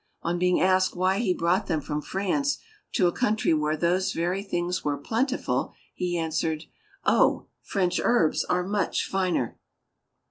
On being asked why he brought them from France to a country where those very things were plentiful, he answered: "Oh, French herbs are much finer."